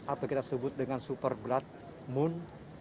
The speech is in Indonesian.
atau kita sebut dengan super blood moon